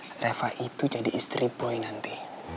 neng repa itu jadi istri boy nanti